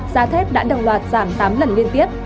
giá thép đã đồng loạt giảm tám lần liên tiếp